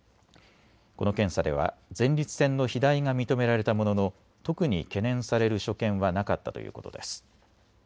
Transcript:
この検査では前立腺の肥大が認められたものの特に懸念される所見はなかったということです。